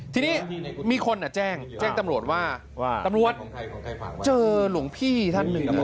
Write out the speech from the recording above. ทีนี้มีคนแจ้งแจ้งตำรวจว่าว่าตำรวจเจอหลวงพี่ท่านหนึ่ง